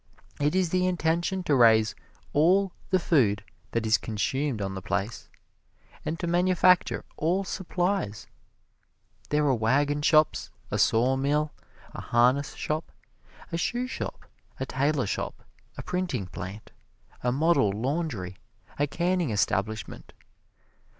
It is the intention to raise all the food that is consumed on the place, and to manufacture all supplies. There are wagon shops, a sawmill, a harness shop, a shoe shop, a tailor shop, a printing plant, a model laundry, a canning establishment.